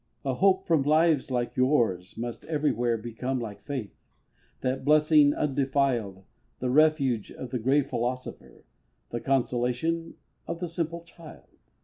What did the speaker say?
A hope from lives like yours must everywhere Become like faith that blessing undefiled, The refuge of the grey philosopher The consolation of the simple child.